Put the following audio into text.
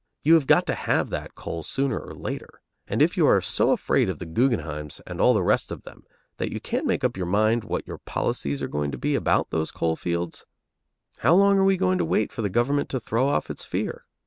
You have got to have that coal sooner or later. And if you are so afraid of the Guggenheims and all the rest of them that you can't make up your mind what your policies are going to be about those coal fields, how long are we going to wait for the government to throw off its fear?